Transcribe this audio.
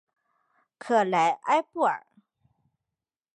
克莱埃布尔。